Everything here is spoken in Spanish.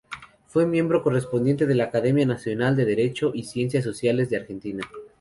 Fue miembro correspondiente de la Academia Nacional de Derecho y Ciencias Sociales de Argentina.